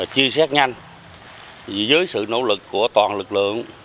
chia sát nhanh với sự nỗ lực của toàn lực lượng